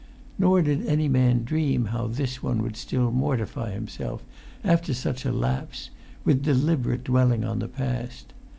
Nor did any man dream how this one would still mortify himself, after such a lapse, with deliberate dwelling on the past.